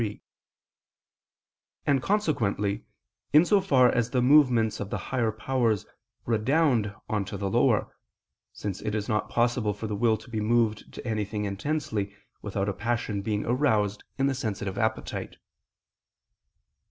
3); and consequently, in so far as the movements of the higher powers redound on to the lower, since it is not possible for the will to be moved to anything intensely, without a passion being aroused in the sensitive appetite.